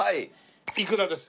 イクラです。